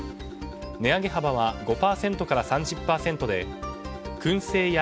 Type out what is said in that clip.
値上げ幅は５％から３０％で燻製屋